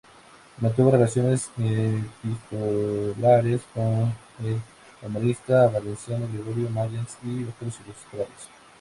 Mantuvo relaciones epistolares con el humanista valenciano Gregorio Mayans y otros ilustrados.